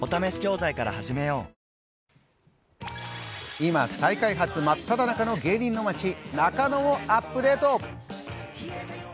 今、再開発まっただ中の芸人の街、中野をアップデート！